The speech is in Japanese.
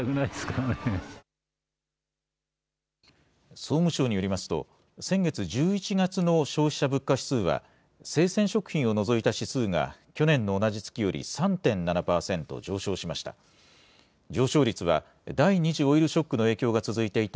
総務省によりますと、先月・１１月の消費者物価指数は、生鮮食品を除いた指数が去年の同じ月より３．７％上昇しました。